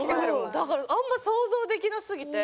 だからあんま想像できなすぎて。